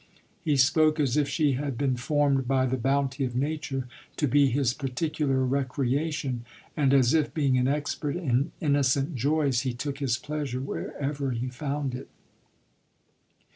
He spoke as if she had been formed by the bounty of nature to be his particular recreation, and as if, being an expert in innocent joys, he took his pleasure wherever he found it.